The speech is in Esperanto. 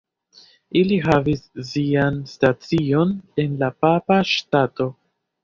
Ili havis sian stacion en la Papa Ŝtato.